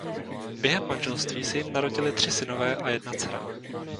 Během manželství se jim narodili tři synové a jedna dcera.